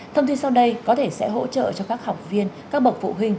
thông tin sau đây có thể sẽ hỗ trợ cho các học viên các bậc phụ huynh